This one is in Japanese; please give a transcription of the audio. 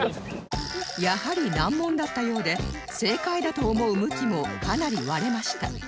やはり難問だったようで正解だと思う向きもかなり割れました